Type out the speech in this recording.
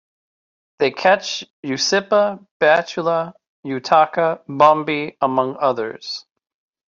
They catch usipa, batala, utaka, bombe among others.